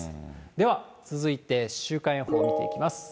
では、続いて、週間予報を見ていきます。